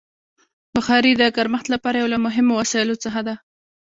بخاري د ګرمښت لپاره یو له مهمو وسایلو څخه ده.